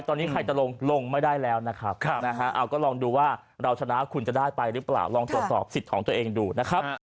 ตอนนี้ใครจะลงลงไม่ได้แล้วนะครับเอาก็ลองดูว่าเราชนะคุณจะได้ไปหรือเปล่าลองตรวจสอบสิทธิ์ของตัวเองดูนะครับ